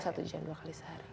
satu jam dua kali sehari